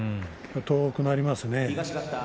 遠くなりますね。